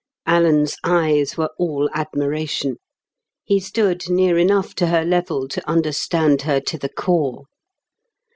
Alan's eyes were all admiration. He stood near enough to her level to understand her to the core.